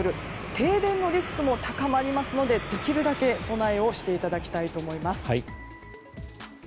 停電のリスクも高まりますのでできるだけ備えをしていただきたいと思います。